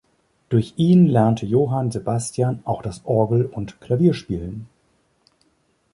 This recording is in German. Durch ihn lernte Johann Sebastian auch das Orgel- und Klavierspielen.